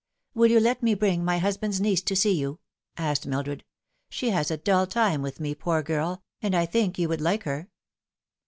"Will you let me bring my husband's niece to see you?" asked Mildred. " She has a dull time with me, poor girl, and I think you would like her."